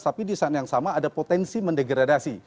tapi di saat yang sama ada potensi mendegradasi